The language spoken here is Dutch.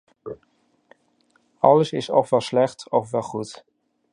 Alles is ofwel slecht, ofwel goed.